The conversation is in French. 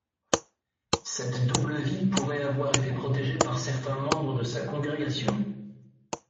Cette double vie pourrait avoir été protégée par certains membres de sa congrégation.